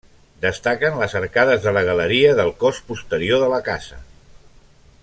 Destaquen les arcades de la galeria del cos posterior de la casa.